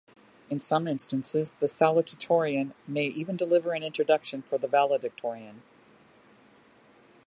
In some instances, the salutatorian may even deliver an introduction for the valedictorian.